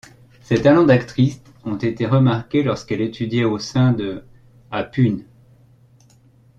Ses talents d'actrice ont été remarqués lorsqu'elle étudiait au sein de l' à Pune.